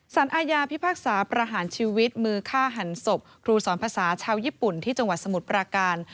สารอาญาพิพากษาประหารชีวิตมือฆ่าหันศพครูสอนภาษาชาวญี่ปุ่นที่จังหวัดสมุทรปราการ